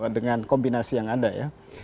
dengan kombinasi yang ada ya